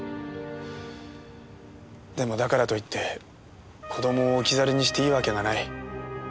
でもだからといって子供を置き去りにしていいわけがない。